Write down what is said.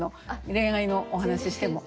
恋愛のお話しても。